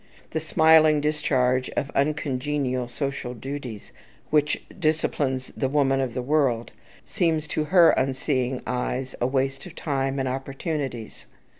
The smiling discharge of uncongenial social duties, which disciplines the woman of the world, seems to her unseeing eyes a waste of time and opportunities.